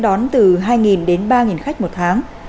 đón từ hai đến ba khách một tháng